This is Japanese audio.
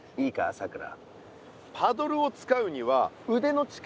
さくら